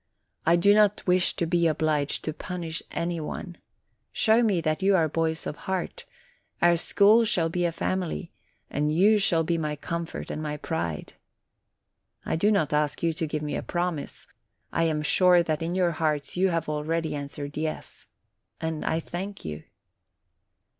I do not wish to be obliged to punish any one. Show me that you are boys of heart : our school shall be a family, and you shall be my comfort and my pride. I do not ask you to give me a promise; I am sure that in your hearts you have already answered 'y es / and I thank you."